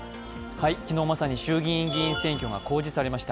昨日まさに衆議院議員選挙が公示されました。